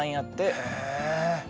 へえ。